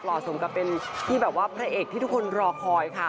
หล่อสมกับเป็นพี่เหล่าะพระเอกที่ทุกคนรอคอย